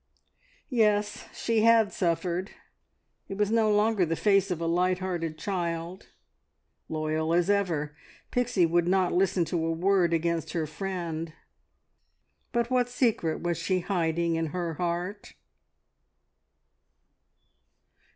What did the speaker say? Yes, she had suffered. It was no longer the face of a light hearted child. Loyal as ever, Pixie would not listen to a word against her friend, but what secret was she hiding in her heart?